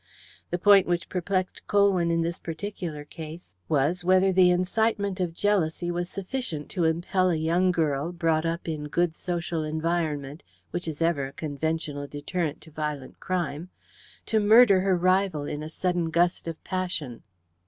The point which perplexed Colwyn in this particular case was whether the incitement of jealousy was sufficient to impel a young girl, brought up in good social environment, which is ever a conventional deterrent to violent crime, to murder her rival in a sudden gust of passion.